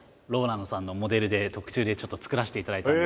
ＲＯＬＡＮＤさんのモデルで特注でちょっと作らせていただいたんで。